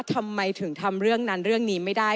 ทำไมถึงทำเรื่องนั้นเรื่องนี้ไม่ได้